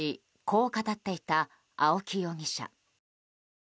こう語っていた青木容疑者。